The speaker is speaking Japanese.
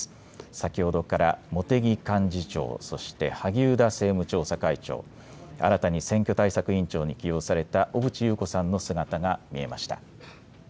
先ほどから茂木幹事長、そして萩生田政務調査会長、新たに選挙対策委員長に起用された小渕優子さんの姿が見えました。